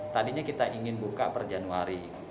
tadinya kita ingin buka per januari